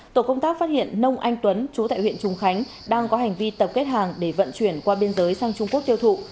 tổ công tác phát hiện nông anh tuấn chú tại huyện trùng khánh đang có hành vi tập kết hàng để vận chuyển qua biên giới sang trung quốc tiêu thụ